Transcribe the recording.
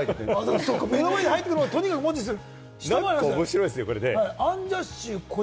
目の前に入ってくるものをとにかく文字にする。